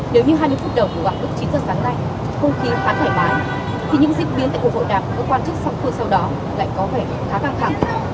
nếu như hai mươi phút đầu vào lúc chín giờ sáng nay không khí khá thoải mái thì những diễn biến tại cuộc hội đàm của các quan chức song phương sau đó lại có vẻ khá căng thẳng